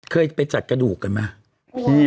เคยไปจัดกระดูกกันไหม